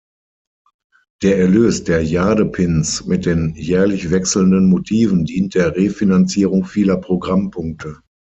Der Erlös der Jade-Pins mit den jährlich wechselnden Motiven dient der Refinanzierung vieler Programmpunkte.